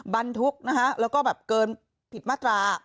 บรรทุกนะฮะแล้วก็แบบเกินผิดมาตรา